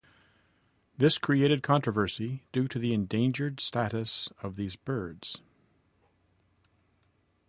This created controversy due to the endangered status of these birds.